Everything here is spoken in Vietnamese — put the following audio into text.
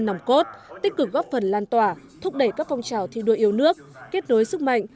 nòng cốt tích cực góp phần lan tỏa thúc đẩy các phong trào thi đua yêu nước kết nối sức mạnh